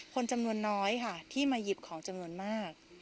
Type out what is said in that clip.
คนจำนวนน้อยค่ะที่มาหยิบของจำนวนมาก